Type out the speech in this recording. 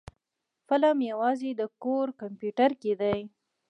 فلم يوازې د کور کمپيوټر کې دی.